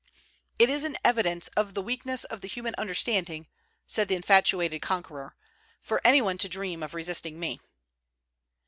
"It is an evidence of the weakness of the human understanding," said the infatuated conqueror, "for any one to dream of resisting me."